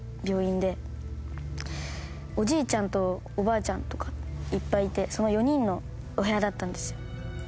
おじいちゃんとおばあちゃんとかいっぱいいてその４人のお部屋だったんですよ。